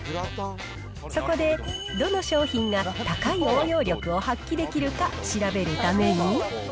そこで、どの商品が高い応用力を発揮できるか調べるために。